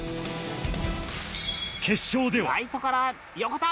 決勝では